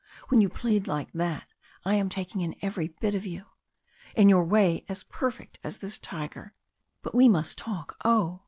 when you plead like that I am taking in every bit of you. In your way as perfect as this tiger. But we must talk oh!